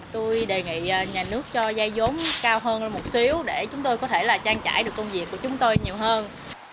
tôi đề nghị nhà nước cho dây giống cao hơn một xíu để chúng tôi có thể trang trải được công việc của chúng tôi nhiều hơn